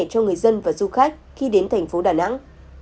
cho người dân và du khách khi đến thành phố đà nẵng